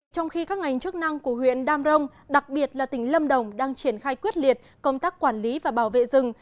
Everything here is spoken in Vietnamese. trong khi các ngành chức năng của huyện đam rồng đặc biệt là tỉnh lâm đồng đang triển khai quyết liệt công tác quản lý và bảo vệ rừng